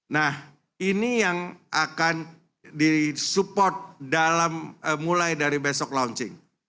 nah ini yang akan disupport dalam mulai dari besok launching